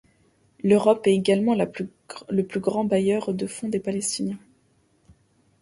L'Europe est également le plus grand bailleur de fond des Palestiniens.